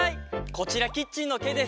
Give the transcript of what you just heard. こちらキッチンのケイです！